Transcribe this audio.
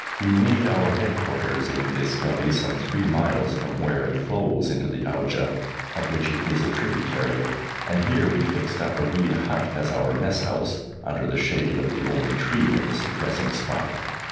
We made our headquarters in this gully some three miles from where it flows into the Auja, of which it is a tributary, and here we fixed up a reed hut as our mess house, under the shade of the only tree in this depressing spot.